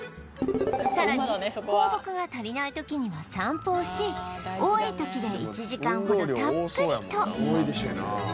さらに放牧が足りない時には散歩をし多い時で１時間ほどたっぷりと